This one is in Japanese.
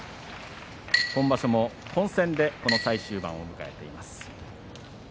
今場所も混戦でこの最終盤を迎えています。